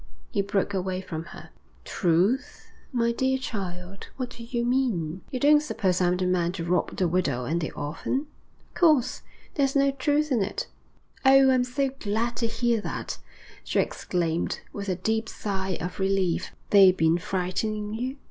He broke away from her. 'Truth? My dear child, what do you mean? You don't suppose I'm the man to rob the widow and the orphan? Of course, there's no truth in it.' 'Oh, I'm so glad to hear that,' she exclaimed, with a deep sigh of relief. 'Have they been frightening you?'